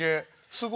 すごい」。